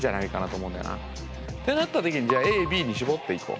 なった時にじゃあＡＢに絞っていこう。